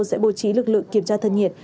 sẽ bố trí lực lượng kiểm tra thân nhiệt